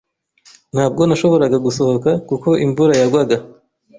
Ntabwo nashoboraga gusohoka kuko imvura yagwaga.